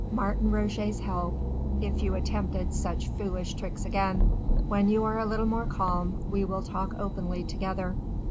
Martin Roget's help if you attempted such foolish tricks again. When you are a little more calm, we will talk openly together."